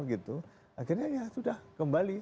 akhirnya ya sudah kembali